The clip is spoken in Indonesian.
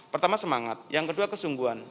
pertama semangat yang kedua kesungguhan